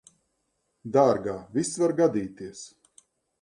Dārgā, viss var gadīties.